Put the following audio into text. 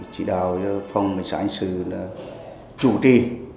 chỉ đào cho phòng nghệ sản xứ là chủ trì